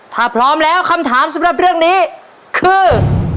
ถ้าพร้อมแล้วคำถามสำหรับเรื่องนี้คือ